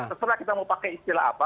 terserah kita mau pakai istilah apa